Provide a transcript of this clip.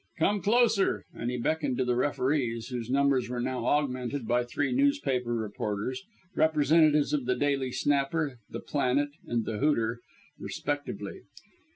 "Come closer!" and he beckoned to the referees, whose numbers were now augmented by three newspaper reporters representatives of the Daily Snapper, the Planet and the Hooter respectively.